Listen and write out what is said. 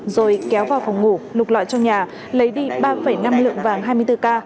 rồi kéo vào phòng ngủ lục loại trong nhà lấy đi ba năm lượng vàng hai mươi bốn k